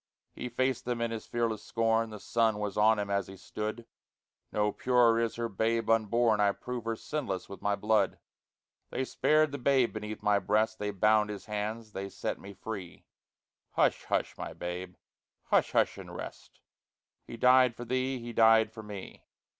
He faced them in his fearless scorn (The sun was on him as he stood): "No purer is her babe unborn; I prove her sinless with my blood." They spared the babe beneath my breast, They bound his hands, they set me free, Hush, hush, my babe! hush, hush and rest; He died for thee! he died for me!